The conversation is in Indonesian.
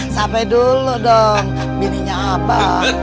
sampai dulu dong bininya aba